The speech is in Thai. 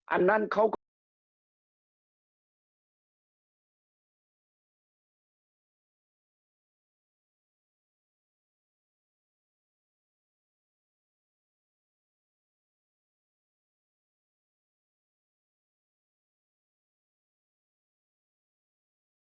อันนั้นเขาก็